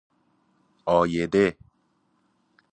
عایده